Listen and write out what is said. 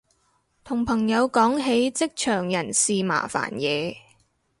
同朋友講起職場人事麻煩嘢